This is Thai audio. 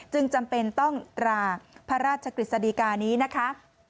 จำเป็นต้องราพระราชกฤษฎีกานี้นะคะ